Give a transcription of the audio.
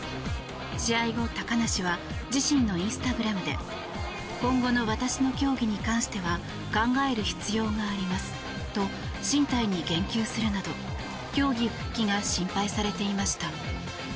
試合後、高梨は自身のインスタグラムで今後の私の競技に関しては考える必要がありますと進退に言及するなど競技復帰が心配されていました。